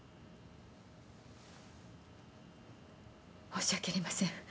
申し訳ありません。